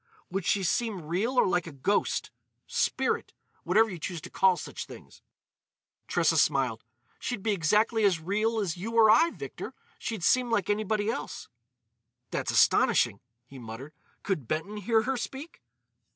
"Would she seem real or like a ghost—spirit—whatever you choose to call such things?" Tressa smiled. "She'd be exactly as real as you or I, Victor. She'd seem like anybody else." "That's astonishing," he muttered. "Could Benton hear her speak?"